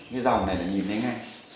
cái dòng này là nhìn thấy ngay